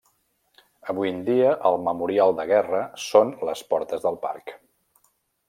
Avui en dia el memorial de guerra són les portes del parc.